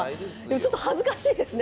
ちょっと恥ずかしいですね